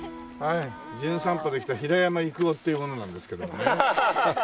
『じゅん散歩』で来た平山郁夫っていう者なんですけどもね。